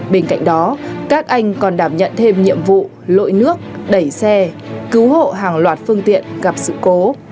bên cạnh đó các anh còn đảm nhận thêm nhiệm vụ lội nước đẩy xe cứu hộ hàng loạt phương tiện gặp sự cố